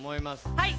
はい！